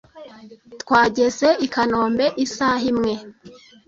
Twageze i kanombe isaha imwe